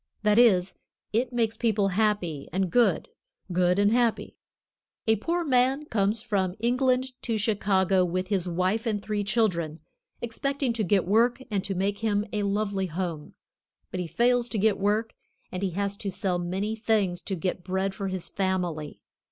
That is, it makes people happy and good, good and happy. A poor man comes from England to Chicago with his wife and three children, expecting to get work and to make him a lovely home. But he fails to get work and he has to sell many things to get bread for his family.